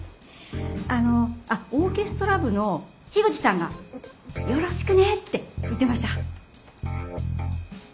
あのあっオーケストラ部の口さんがよろしくねって言ってました。